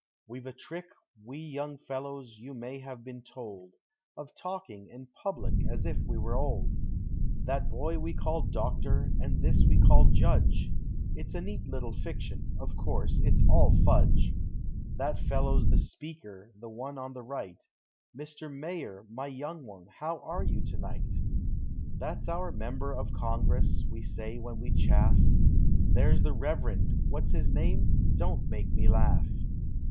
We've a trick, we young fellows, you may have been told. Of talking (in public) as if we were old: 376 POEMS OF FRIEXDSHIP. That bov we call " Doctor," and this we call " Judge;"— It's a neat little fiction, — of course it's all fudge. That fellow 's the " Shaker,' —the one on the right ;" Mr. Mayor," my young one, how are you to night? That 's our " Member of Congress," we say when we chaff ; There's the "Reverend" What's his name? — don't make me laugh